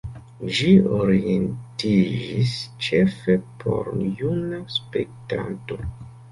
Ĝi orientiĝis ĉefe por juna spektanto.